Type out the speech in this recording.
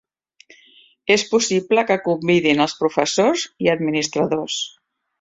És possible que convidin els professors i administradors.